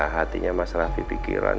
hatinya mas rafi pikiran